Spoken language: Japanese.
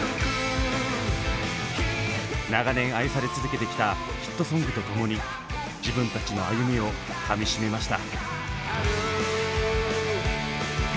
長年愛され続けてきたヒットソングと共に自分たちの歩みをかみしめました。